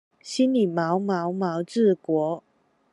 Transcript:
心裡毛毛毛治國